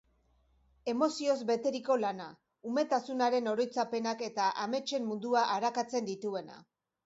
Emozioz beteriko lana, umetasunaren oroitzapenak eta ametsen mundua arakatzen dituena.